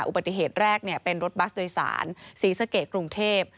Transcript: อุบัติเหตุแรกเป็นรถบัสโดยสารศรีสะเกดกรุงเทพ